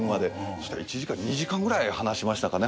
そしたら１時間２時間くらい話しましたかね